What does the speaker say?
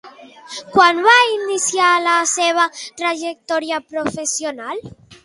Quan va iniciar la seva trajectòria professional?